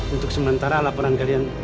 untuk sementara laporan kalian